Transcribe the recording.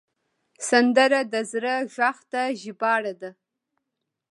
سندره د زړه غږ ته ژباړه ده